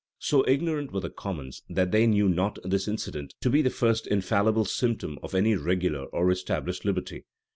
So ignorant were the commons, that they knew not this incident to be the first infallible symptom of any regular or established liberty.